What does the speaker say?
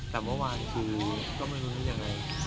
แต่เมื่อวานคือก็ไม่รู้จะยังไง